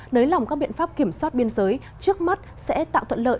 nới lỏng các biện pháp kiểm soát biên giới trước mắt sẽ tạo thuận lợi